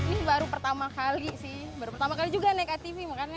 ini baru pertama kali sih baru pertama kali juga naik atv makanya